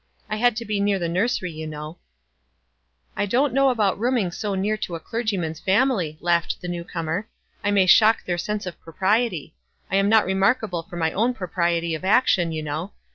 I had to be near the nursery, you know." "I don't know about rooming so near to a clergyman's family," laughed the new comer. "I may shock their sense of propriety. I am not remarkable for my own propriety of action, you know.